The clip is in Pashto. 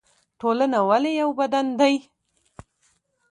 ټولنه ولې یو بدن دی؟